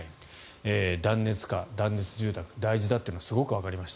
断熱化、断熱住宅大事だというのがすごくわかりました。